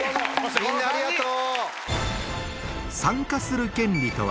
みんなありがとう！